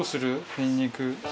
にんにく。